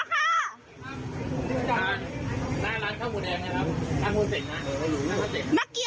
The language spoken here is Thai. ครับชื่นศาสน์หน้าร้านข้าวหมูแดงครับ